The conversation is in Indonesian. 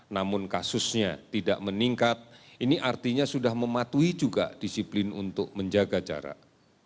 namun kasusnya tidak meningkat ini artinya sudah mematuhi juga disiplin untuk menjaga jarak